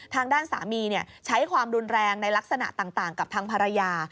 ทางด้านสามีใช้ความรุนแรงในลักษณะต่างกับทางภรรยา